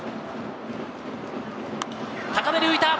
高めに浮いた。